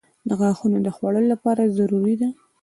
• غاښونه د خوړلو لپاره ضروري دي.